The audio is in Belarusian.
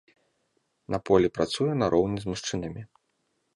На полі працуе нароўні з мужчынамі.